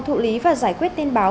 thụ lý và giải quyết tin báo